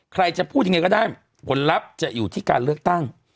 ใครจะพูดยังไงก็ได้ผลลัพธ์จะอยู่ที่การเลือกตั้ง